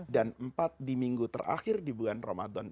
dan empat di minggu terakhir di bulan ramadan